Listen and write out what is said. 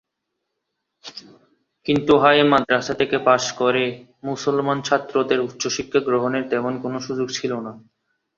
কিন্ত হাই মাদ্রাসা থেকে পাশ করে মুসলমান ছাত্রদের উচ্চশিক্ষা গ্রহণের তেমন কোন সুযোগ ছিল না।